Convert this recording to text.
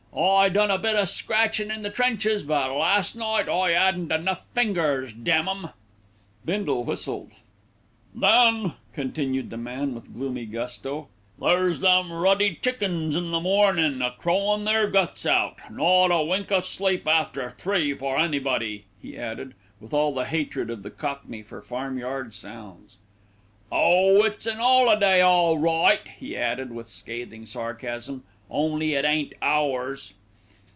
I done a bit o' scratchin' in the trenches; but last night I 'adn't enough fingers, damn 'em." Bindle whistled. "Then," continued the man with gloomy gusto, "there's them ruddy chickens in the mornin', a crowin' their guts out. Not a wink o' sleep after three for anybody," he added, with all the hatred of the cockney for farmyard sounds. "Oh! it's an 'oliday, all right," he added with scathing sarcasm, "only it ain't ours."